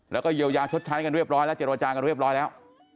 แล้วก็เยียวยาชดใช้กันเรียบร้อยแล้วเจรจากันเรียบร้อยแล้ว